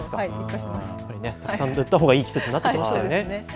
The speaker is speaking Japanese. たくさん塗ったほうがいい季節になってきましたね。